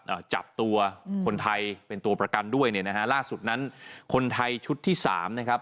อ่าจับตัวอืมคนไทยเป็นตัวประกันด้วยเนี่ยนะฮะล่าสุดนั้นคนไทยชุดที่สามนะครับ